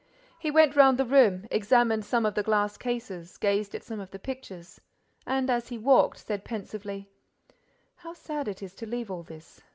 He went round the room, examined some of the glass cases, gazed at some of the pictures and, as he walked, said, pensively: "How sad it is to leave all this!